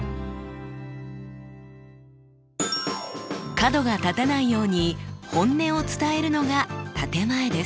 角が立たないように本音を伝えるのが建て前です。